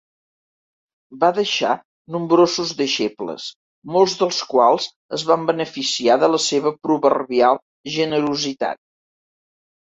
Va deixar nombrosos deixebles, molts dels quals es van beneficiar de la seva proverbial generositat.